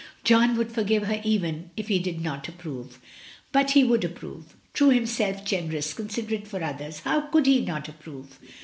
John would for give her even if he did not approve; but he would approve; true himself, generous, considerate for others, how could he not approve?